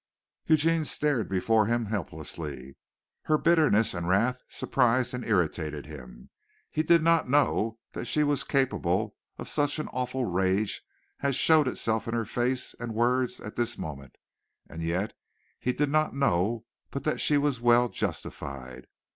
Eugene stared before him helplessly. Her bitterness and wrath surprised and irritated him. He did not know that she was capable of such an awful rage as showed itself in her face and words at this moment, and yet he did not know but that she was well justified.